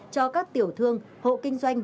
cho các tiểu thương hộ kinh doanh